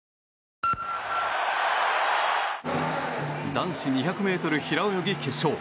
男子２００ｍ平泳ぎ決勝。